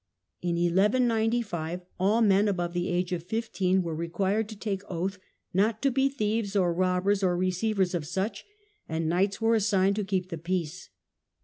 In 1195 ^^^^^ above the age of fifteen were required to take oath not to be thieves or robbers or receivers of such, and' knights were assigned to keep the peace.